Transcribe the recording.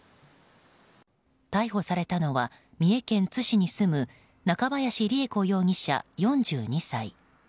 逮捕されたのは三重県津市に住む中林りゑこ容疑者、４２歳。